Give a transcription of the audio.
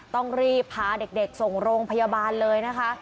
ต้องรีบพาเด็กส่งโรงพยาบาลเลยนะคะ